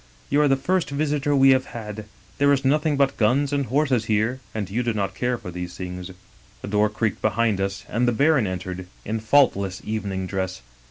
You are the first visitor we have had. There is nothing but guns and horses here, and you do not care for these things.' 123 English Mystery Stories "The door creaked behind us; and the baron entered, in faultless evening dress.